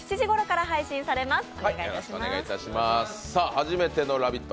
初めての「ラヴィット！」